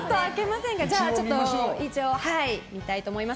一応、見たいと思います。